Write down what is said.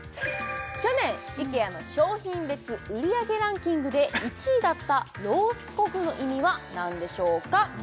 去年イケアの商品別売り上げランキングで１位だったロースコグの意味は何でしょうか